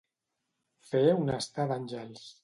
Fer un estar d'àngels.